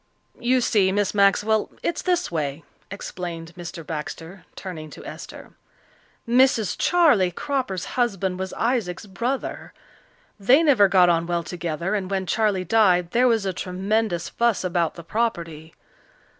"You see, Miss Maxwell, it's this way," explained Mr. Baxter, turning to Esther. "Mrs. Charley Cropper's husband was Isaac's brother. They never got on well together, and when Charley died there was a tremendous fuss about the property.